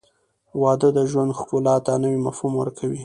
• واده د ژوند ښکلا ته نوی مفهوم ورکوي.